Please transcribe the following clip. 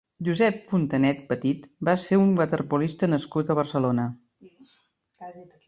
Josep Fontanet Petit va ser un waterpolista nascut a Barcelona.